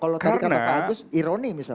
kalau tadi kata pak agus ironi misalnya